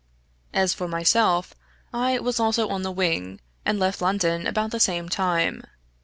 As for myself, I was also on the wing, and left London about the same time.